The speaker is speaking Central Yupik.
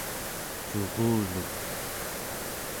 curuluk